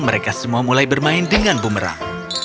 mereka semua mulai bermain dengan bu merang